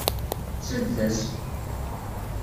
Slet-as!